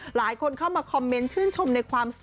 หลายคนเข้ามาคอมเมนต์ชื่นชมในความสุข